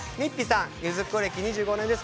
ゆずっこ歴２５年です。